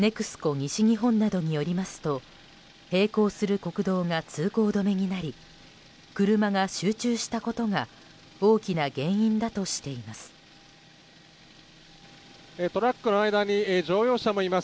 西日本などによりますと並行する国道が通行止めになり車が集中したことが大きな原因だとしています。